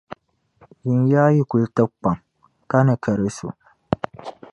Yinyaa yi kuli tibi kpaŋ ka ni karɛsu.